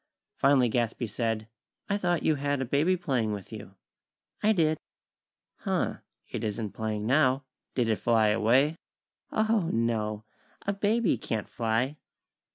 Finally Gadsby said: "I thought you had a baby playing with you." "I did." "Huh, it isn't playing now. Did it fly away?" "Oho! No! A baby can't fly!"